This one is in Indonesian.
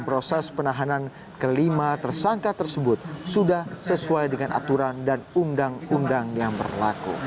proses penahanan kelima tersangka tersebut sudah sesuai dengan aturan dan undang undang yang berlaku